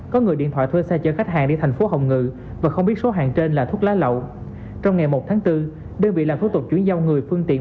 có người điện thoại thuê xe chở khách hàng đi thành phố hồng ngự